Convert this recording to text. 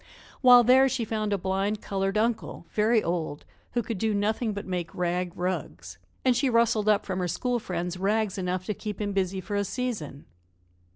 While there she found a blind colored uncle, very old, who could do nothing but make rag rugs, and she rustled up from her school friends rags enough to keep him busy for a season.